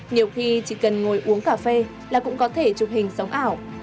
nhiều khi chỉ cần ngồi uống cà phê là cũng có thể chụp hình sống ảo